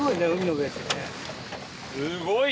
すごい！